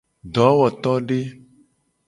Dowotode.